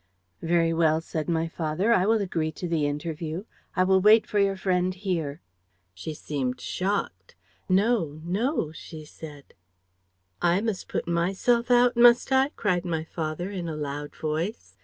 'Very well,' said my father, 'I will agree to the interview. I will wait for your friend here.' She seemed shocked. 'No, no,' she said, 'you must ...' 'I must put myself out, must I?' cried my father, in a loud voice.